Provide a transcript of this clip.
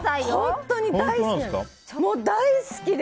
本当に大好きで！